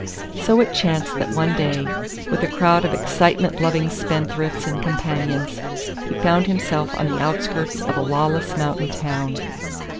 So it chanced that one day, with a crowd of excitement loving spendthrifts and companions, he found himself on the outskirts of a lawless mountain town.